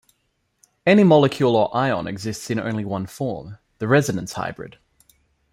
Any molecule or ion exists in only one form - the resonance hybrid.